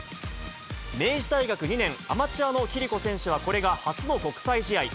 明治大学２年、アマチュアの暉璃子選手は、これが初の国際試合。